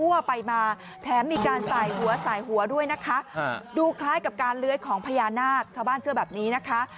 ว่าไปมาแถมมีการสายหัวสายหัวด้วยนะคะดูคล้ายกับการเลื้อยของพญานาคชาวบ้านเชื่อแบบนี้นะคะ